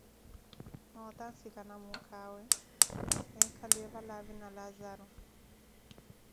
noota ansikana muukhawe eekhaliye valaavi na Laazaru.